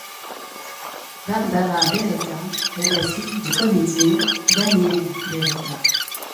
Barbara Beretta est la fille du comédien Daniel Beretta.